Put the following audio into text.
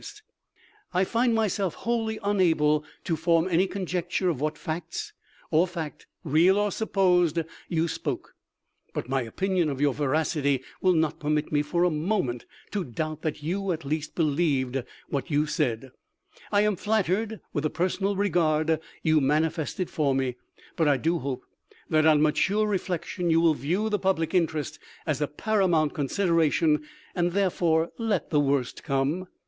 fter a photograph THE LIFE OF LINCOLN: 169 " I find myself wholly unable to form any conjec ture of what fact or facts, real or supposed, you spoke ; but my opinion of your veracity will not permit me for a moment to doubt that you at least believed what you said. I am flattered with the personal regard you manifested for me ; but I do hope that on mature reflection you will view the public interest as a paramount consideration and therefore let the worst come.